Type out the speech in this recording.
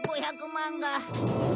５００万！？